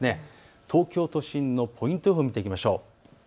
東京都心のポイント予報を見ていきましょう。